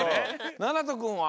ななとくんは？